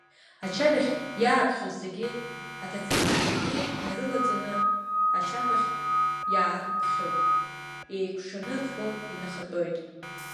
Ачарахь иааԥхьоу зегьы, аҭацаагацәагьы нарылаҵаны, ашьаԥахь иаарԥхьоит, еикәшаны рхәы инахатәоит.